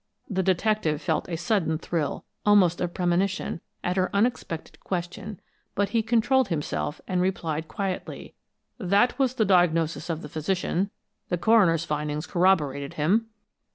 The detective felt a sudden thrill, almost of premonition, at her unexpected question, but he controlled himself, and replied quietly: "That was the diagnosis of the physician, and the coroner's findings corroborated him."